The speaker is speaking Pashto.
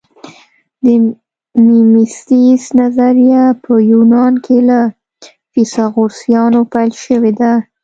د میمیسیس نظریه په یونان کې له فیثاغورثیانو پیل شوې ده